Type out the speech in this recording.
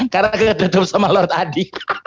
karena kedetup sama lord adi